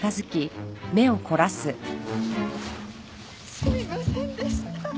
すみませんでした。